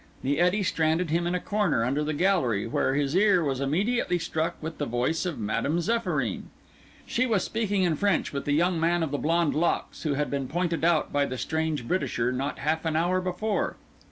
The eddy stranded him in a corner under the gallery, where his ear was immediately struck with the voice of Madame Zéphyrine. She was speaking in French with the young man of the blond locks who had been pointed out by the strange Britisher not half an hour before.